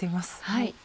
はい。